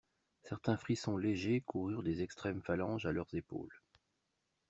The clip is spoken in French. Certains frissons légers coururent des extrêmes phalanges à leurs épaules.